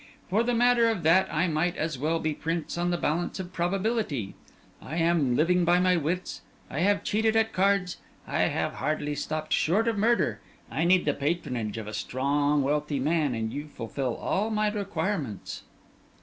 For the matter of that I might as well be prince on the balance of probability. I am living by my wits: I have cheated at cards, I have hardly stopped short of murder I need the patronage of a strong wealthy man, and you fulfill all my requirements."